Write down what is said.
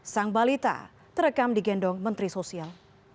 sang balita terekam di gendong menteri sosial